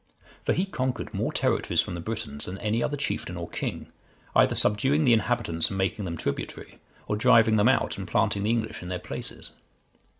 For he conquered more territories from the Britons than any other chieftain or king, either subduing the inhabitants and making them tributary, or driving them out and planting the English in their places.